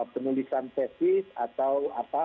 penulisan pesis atau